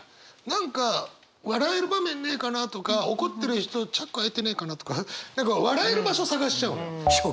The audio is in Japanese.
何か笑える場面ねえかなとか怒ってる人チャック開いてねえかなとか何か笑える場所探しちゃうのよ。